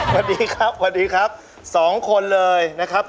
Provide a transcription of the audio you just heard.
สวัสดีครับสองคนเลยนะครับ